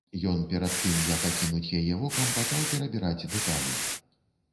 Ён перад тым, як акінуць яе вокам, пачаў перабіраць дэталі.